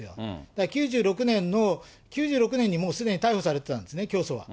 だから９６年の、９６年にもう逮捕されてたんですね、教祖は。